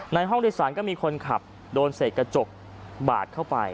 ห้องโดยสารก็มีคนขับโดนเศษกระจกบาดเข้าไป